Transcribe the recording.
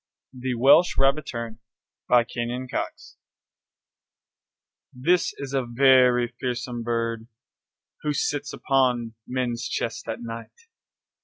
THE WELSH RABBITTERN BY KENYON COX This is a very fearsome bird Who sits upon men's chests at night.